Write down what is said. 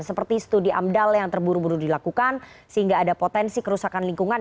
seperti studi amdal yang terburu buru dilakukan sehingga ada potensi kerusakan lingkungan